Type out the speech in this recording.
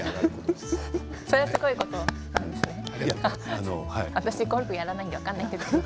それはすごいことなんですね。